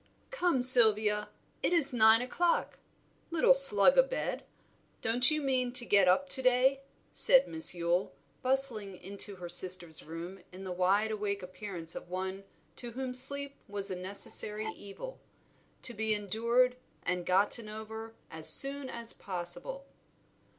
"Come, Sylvia, it is nine o'clock! Little slug a bed, don't you mean to get up to day?" said Miss Yule, bustling into her sister's room with the wide awake appearance of one to whom sleep was a necessary evil, to be endured and gotten over as soon as possible.